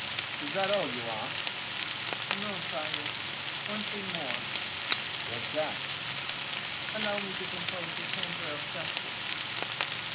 "Is that all you ask?" "No, sire, one thing more." "What is that?" "Allow me to compose a chamber of justice."